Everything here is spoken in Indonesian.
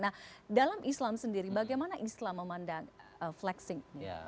nah dalam islam sendiri bagaimana islam memandang flexing